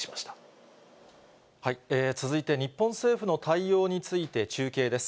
続いて、日本政府の対応について中継です。